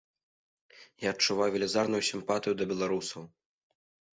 Я адчуваю велізарную сімпатыю да беларусаў.